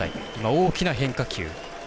大きな変化球。